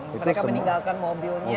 mereka meninggalkan mobilnya